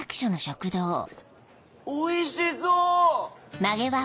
・おいしそう！